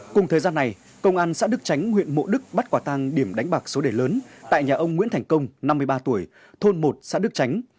cùng thời gian này công an xã đức tránh huyện mộ đức bắt quả tang điểm đánh bạc số đề lớn tại nhà ông nguyễn thành công năm mươi ba tuổi thôn một xã đức tránh